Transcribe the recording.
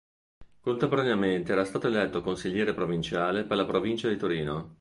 Contemporaneamente era stato eletto consigliere provinciale per la provincia di Torino.